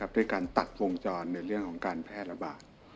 ด้วยการตัดวงจรในเรื่องของการแพร่ระบาด